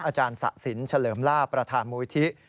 อาจารย์สะสินเฉลิมลาบประธานมูลิธิ